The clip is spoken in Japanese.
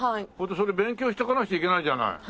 それ勉強していかなくちゃいけないじゃない。